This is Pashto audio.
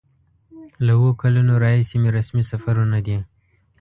له اوو کلونو راهیسې مې رسمي سفرونه دي.